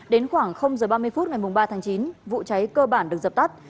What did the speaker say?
đến khoảng h ba mươi phút ngày ba tháng chín vụ cháy cơ bản được dập tắt